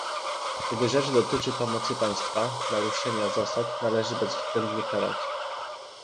Kiedy rzecz dotyczy pomocy państwa, naruszenia zasad należy bezwzględnie karać